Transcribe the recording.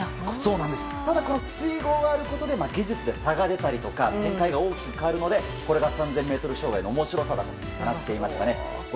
ただ、水濠があることで技術で差が出たりとか展開が大きく変わるのでこれが３０００ｍ障害の面白さだと話していました。